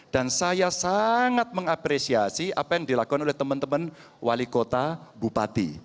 dan saya sangat mengapresiasi apa yang dilakukan oleh teman teman wali kota bupati